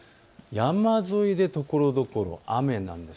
山沿いでところどころ雨なんです。